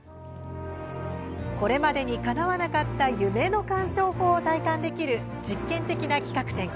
これまでにかなわなかった夢の鑑賞法を体感できる実験的な企画展